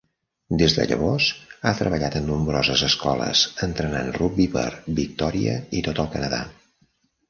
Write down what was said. Des de llavors ha treballat en nombroses escoles entrenant rugbi per Victoria i tot el Canadà.